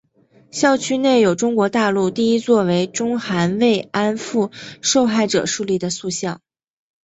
校区内有中国大陆第一座为中韩慰安妇受害者树立的塑像。